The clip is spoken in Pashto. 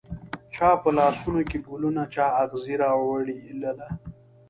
چا په لاسونوکې ګلونه، چااغزي راوړله